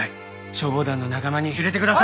消防団の仲間に入れてください！